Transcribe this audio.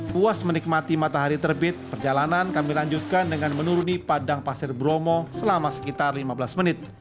puas menikmati matahari terbit perjalanan kami lanjutkan dengan menuruni padang pasir bromo selama sekitar lima belas menit